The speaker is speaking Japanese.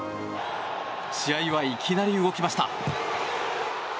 試合はいきなり動きました。